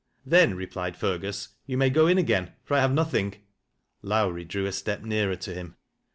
" Then," replied Fergus, " you may go in again, for 1 Lave nothing." Lowrie drew a step nearer to him.